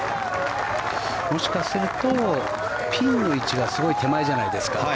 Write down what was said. もしかするとピンの位置がすごい手前じゃないですか。